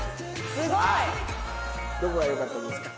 すごい！どこが良かったですか？